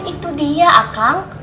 nah itu dia akang